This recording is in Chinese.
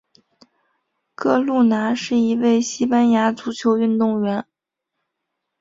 哥路拿是一位西班牙足球运动员。